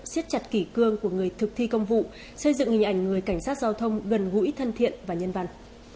xiết chặt kỷ cương của người thực thi công vụ xây dựng hình ảnh người cảnh sát giao thông gần gũi thân thiện và nhân văn